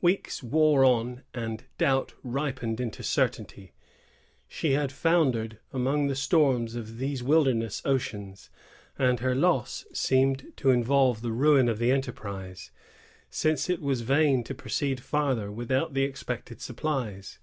Weeks wore on, and doubt ripened into certainty. She had foundered among the storms of these wilderness oceans; and her loss seemed to involve the ruin of the enterprise, since it was vain to proceed farther without the expected supplies.